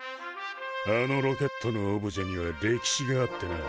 あのロケットのオブジェには歴史があってな。